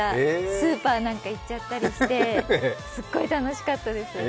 スーパーなんか行っちゃったりしてすっごい楽しかったです。